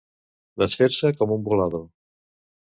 Desfer-se com un bolado.